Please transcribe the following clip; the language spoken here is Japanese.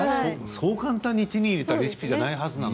そう簡単に手に入れたレシピじゃないはずなのにね。